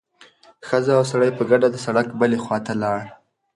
ښځه او سړی په ګډه د سړک بلې خوا ته لاړل.